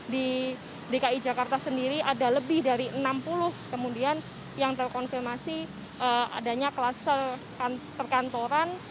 di dki jakarta sendiri ada lebih dari enam puluh kemudian yang terkonfirmasi adanya kluster perkantoran